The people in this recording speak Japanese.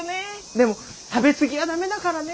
でも食べ過ぎは駄目だからね。